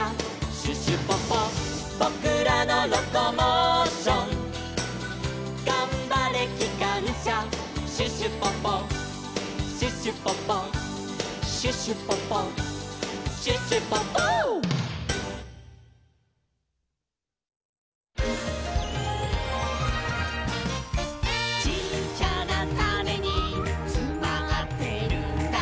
「ぼくらのロコモーション」「がんばれきかんしゃ」「シュシュポポシュシュポポ」「シュシュポポシュシュポポ」「ちっちゃなタネにつまってるんだ」